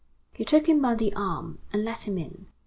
He took him by the arm, and led him in.